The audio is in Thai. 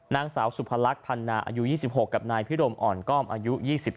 นางสาวสุพรรคพันนาอายุ๒๖กับนายพิรมอ่อนก้อมอายุ๒๓